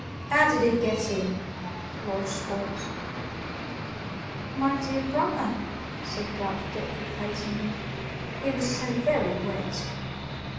"How did he get in?" roared Schwartz. "My dear brother," said Gluck deprecatingly, "he was so VERY wet!"